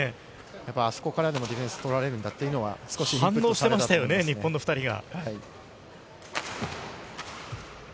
やっぱあそこからでもディフェンス取られるんだというのは、反応してましたよね、日本の２人が。